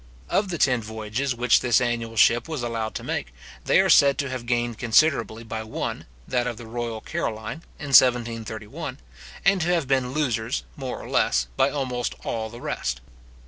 Of the ten voyages which this annual ship was allowed to make, they are said to have gained considerably by one, that of the Royal Caroline, in 1731; and to have been losers, more or less, by almost all the rest.